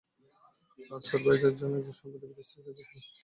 আকসার ভাইদের একজন সম্প্রতি বিদেশ থেকে দেশে ফিরলে বিয়ের বিষয়টি প্রকাশ্যে আসে।